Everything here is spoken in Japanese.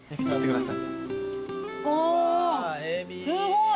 すごい。